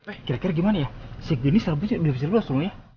apa ya kira kira gimana ya si genis selalu bisa berbicara bicara semuanya